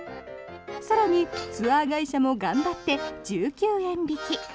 更に、ツアー会社も頑張って１９円引き。